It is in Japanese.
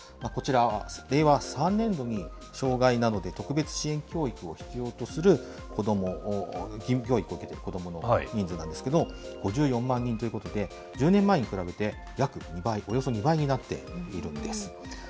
こちらは令和３年度に障害などで、特別支援教育を必要とする子ども、義務教育を受けている子どもの人数なんですけど、５４万人ということで、１０年前に比べて約２倍、およそ２倍になっているんです。